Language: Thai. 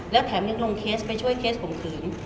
แล้วแถมยังลงเคสไปช่วยเคสข่มขืน